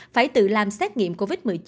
phải tự làm xét nghiệm covid một mươi chín